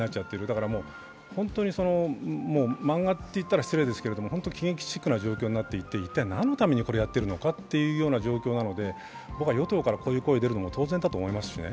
だからもう、本当に漫画と言ったら失礼ですけれども、ほんと喜劇チックな状況になっていって一体これは何のためにやっているのかという状況なので、僕は、与党からこういう声が出るのは当然だとも思います。